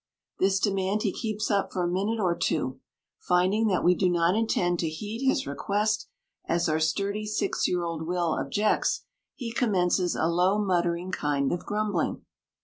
This demand he keeps up for a minute or two. Finding that we do not intend to heed his request, as our sturdy six year old Will objects, he commences a low muttering kind of grumbling.